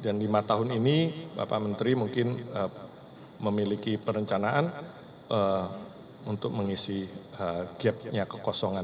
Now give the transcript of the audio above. dan lima tahun ini bapak menteri mungkin memiliki perencanaan untuk mengisi gapnya kekosongan